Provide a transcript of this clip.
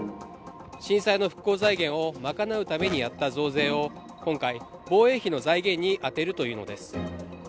震災の復興財源を賄うためにやった増税を今回、防衛費の財源に充てるというのです。